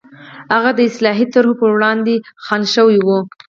هغه د اصلاحي طرحو پر وړاندې خنډ شوي وو.